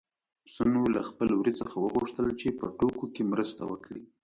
پسونو له خپل وري څخه وغوښتل چې په ټوکو کې مرسته وکړي.